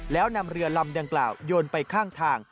แล้วนำเรือลำดังกล่าวโยนไปข้างทาง